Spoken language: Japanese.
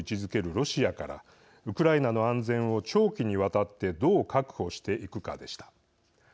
ロシアからウクライナの安全を長期にわたってどう確保していくかでした。